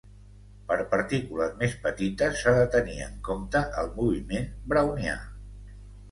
Per partícules més petites s'ha de tenir en compte el moviment Brownià.